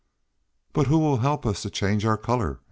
"But who will help us to change our color?"